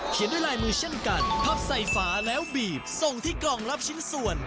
ด้วยลายมือเช่นกันพับใส่ฝาแล้วบีบส่งที่กล่องรับชิ้นส่วน